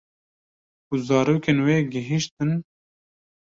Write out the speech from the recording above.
Ku zarokên wê gihîştin